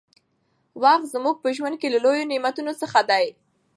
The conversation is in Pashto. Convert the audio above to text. وخت زموږ په ژوند کې له لويو نعمتونو څخه دى.